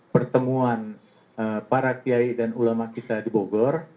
pertemuan para kiai dan ulama kita di bogor